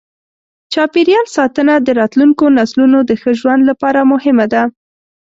چاپېریال ساتنه د راتلونکو نسلونو د ښه ژوند لپاره مهمه ده.